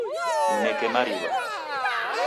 Mneke mariwa.